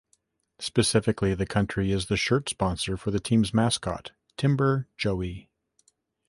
Specifically, the company is the shirt sponsor for the team's mascot, "Timber Joey".